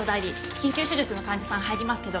緊急手術の患者さん入りますけど